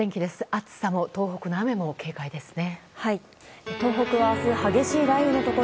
暑さも、東北の雨も警戒ですね。